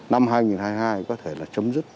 năm hai nghìn hai mươi hai có thể là chấm dứt